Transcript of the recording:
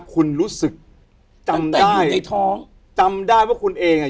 คุณรู้สึกจำแต่อยู่ในท้องจำได้ว่าคุณเองอ่ะ